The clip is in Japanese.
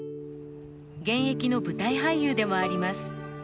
現役の舞台俳優でもあります。